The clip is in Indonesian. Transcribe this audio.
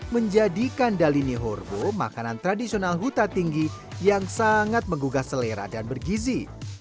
menjadikan dalini horbo makanan tradisional huta tinggi yang sangat menggugah selera dan bergizi